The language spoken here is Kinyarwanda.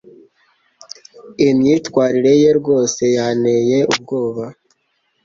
Imyitwarire ye rwose yanteye ubwoba.